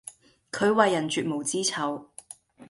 佢為人絕無知醜